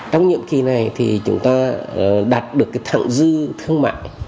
trong nhiệm kỳ này thì chúng ta đạt được cái thẳng dư thương mại